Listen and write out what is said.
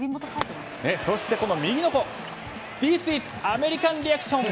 そして、右の子ディス・イズ・アメリカンリアクション！